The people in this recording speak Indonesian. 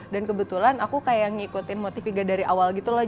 dan kebetulan aku kayak ngikutin motiviga dari awal gitu loh